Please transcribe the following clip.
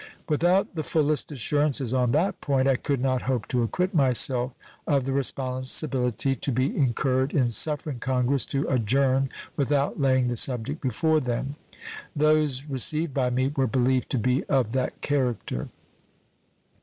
Without the fullest assurances on that point, I could not hope to acquit myself of the responsibility to be incurred in suffering Congress to adjourn without laying the subject before them. Those received by me were believed to be of that character.